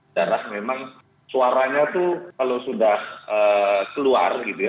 darah memang suaranya tuh kalau sudah keluar gitu ya